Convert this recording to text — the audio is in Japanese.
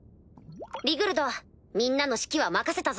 リグルドみんなの指揮は任せたぞ。